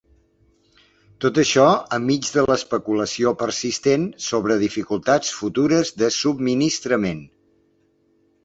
Tot això, enmig de l’especulació persistent sobre dificultats futures de subministrament.